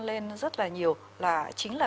lên rất là nhiều là chính là